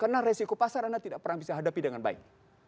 karena resiko pasar anda tidak pernah bisa hadapi dengan baik